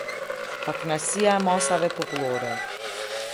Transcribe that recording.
Pakënaqësia e masave popullore.